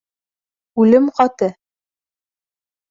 Үлем ҡаты: